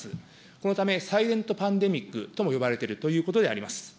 このため、サイレントパンデミックとも呼ばれているということであります。